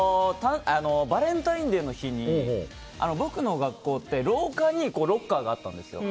バレンタインデーの日に僕の学校って廊下にロッカーがあったんですよ。